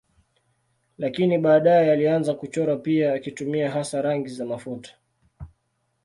Lakini baadaye alianza kuchora pia akitumia hasa rangi za mafuta.